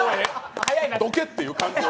どけっていう感じを。